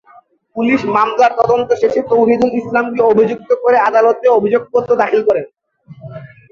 Police মামলার তদন্ত শেষে তৌহিদুল ইসলামকে অভিযুক্ত করে আদালতে অভিযোগপত্র দাখিল করেন।